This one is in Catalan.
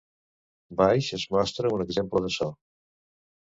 Baix es mostra un exemple d'açò.